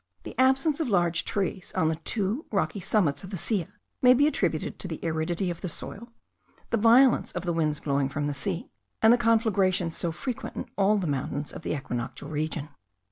The absence of large trees on the two rocky summits of the Silla may be attributed to the aridity of the soil, the violence of the winds blowing from the sea, and the conflagrations so frequent in all the mountains of the equinoctial region.